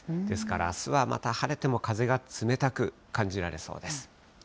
ですからあすはまた、晴れても風が冷たく感じられそうです。